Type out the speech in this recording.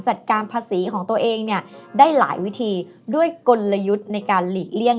จัดการภาษีของตัวเองเนี่ยได้หลายวิธีด้วยกลยุทธ์ในการหลีกเลี่ยง